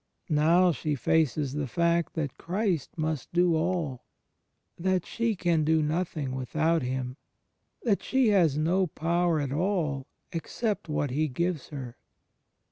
Now she faces the fact that Christ must do all, that she can do nothing without Him, that she has no power at all except what He gives her.